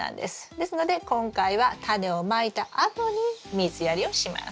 ですので今回はタネをまいたあとに水やりをします。